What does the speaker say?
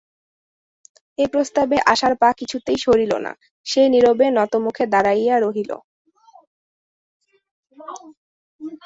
এ প্রস্তাবে আশার পা কিছুতেই সরিল না, সে নীরবে নতমুখে দাঁড়াইয়া রহিল।